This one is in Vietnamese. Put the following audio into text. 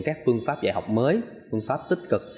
các phương pháp dạy học mới phương pháp tích cực